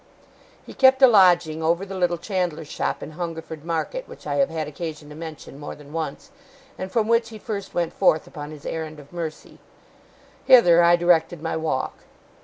He kept a lodging over the little chandler's shop in Hungerford Market, which I have had occasion to mention more than once, and from which he first went forth upon his errand of mercy. Hither I directed my walk.